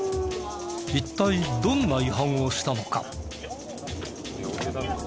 一体どんな違反をしたのか？